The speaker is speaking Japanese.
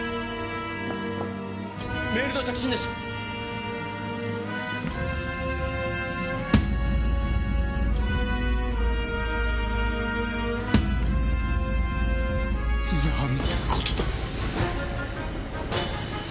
メールの着信です！なんて事だ。